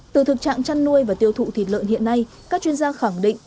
từ thực trạng chăn nuôi và tiêu thụ thịt lợn hiện nay các chuyên gia khẳng định